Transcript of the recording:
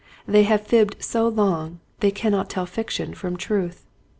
They have fibbed so long they cannot tell fiction from truth.